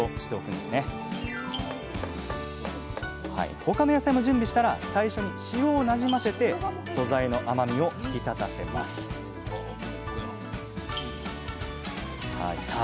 他の野菜も準備したら最初に塩をなじませて素材の甘みを引き立たせますさあ